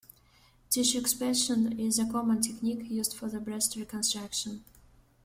Tissue expansion is a common technique used for breast reconstruction.